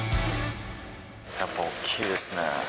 やっぱ大きいですね。